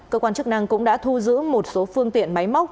cơ quan chức năng cũng đã thu giữ một số phương tiện máy móc